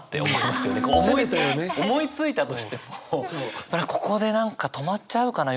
思いついたとしてもここで何か止まっちゃうかな？